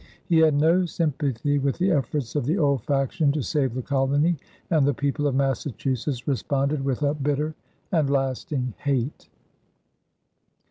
He had no sympathy with the efforts of the "old faction" to save the colony, and the people of Massachusetts responded with a bitter and lasting hate.